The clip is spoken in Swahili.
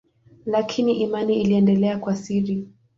Lakini imani iliendelea kwa siri.